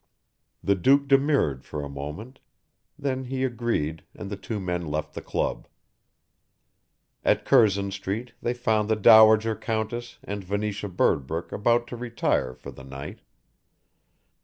The Duke demurred for a moment. Then he agreed and the two men left the club. At Curzon Street they found the Dowager Countess and Venetia Birdbrook about to retire for the night.